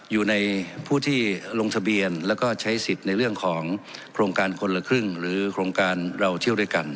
อยู่ในผู้ที่ลงทะเบียนแล้วก็ใช้สิทธิ์ในเรื่องของโครงการคนละครึ่งหรือโครงการเราเที่ยวด้วยกัน